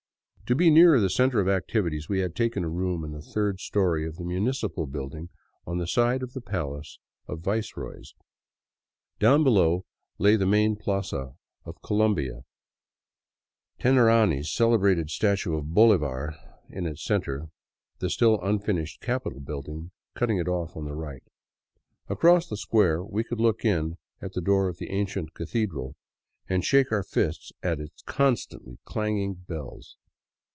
To be nearer the center of activities we had taken a room in the third story of the municipal building, on the site of the palace of the viceroys. Down below lay the main plaza of Colombia, Tenerani's celebrated statue of Bolivar in its center, the still unfinished capitol building cutting it off on the right. Across the square we could look in at the door of the ancient Cathedral — and shake our fists at its constantly clanging bells.